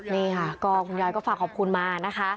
นี่ค่ะก็คุณยายก็ฝากขอบคุณมานะคะ